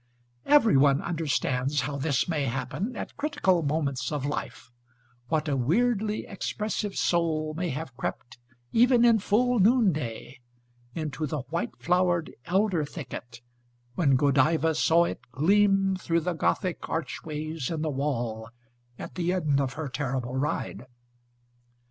Every one understands how this may happen at critical moments of life; what a weirdly expressive soul may have crept, even in full noonday, into "the white flower'd elder thicket," when Godiva saw it "gleam through the Gothic archways in the wall," at the end of her terrible ride.